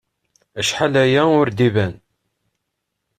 Acḥal aya ur d-iban.